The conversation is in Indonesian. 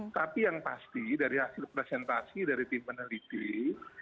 tapi yang pasti dari hasil presentasi dari tim peneliti